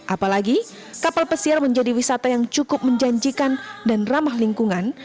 apalagi kapal pesiar menjadi wisata yang cukup menjanjikan dan ramah lingkungan